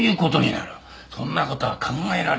そんな事は考えられない。